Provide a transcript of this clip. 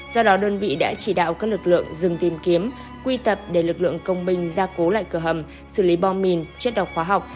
do đó đơn vị đã chỉ đạo các lực lượng dừng tìm kiếm quy tập để lực lượng công binh gia cố lại cửa hầm xử lý bom mìn chất độc hóa học